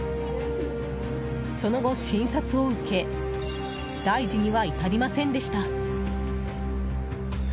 その後、診察を受け大事には至りませんでした。